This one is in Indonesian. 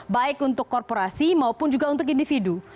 baik untuk korporasi maupun juga untuk individu